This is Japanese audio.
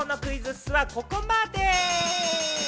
本日のクイズッスはここまで。